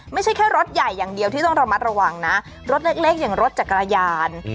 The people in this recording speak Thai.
ไม่ใช่แค่รถใหญ่อย่างเดียวที่ต้องระมัดระวังนะรถเล็กอย่างรถจักรยาน